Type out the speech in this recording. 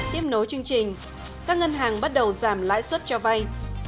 tiếp nối chương trình các ngân hàng bắt đầu giảm lãi suất cho vay